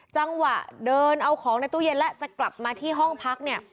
จังหวะเดินเอาของในตู้เย็นแล้วจะกลับมาที่ห้องพักเนี่ย